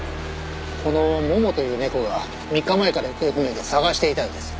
このモモという猫が３日前から行方不明で捜していたようです。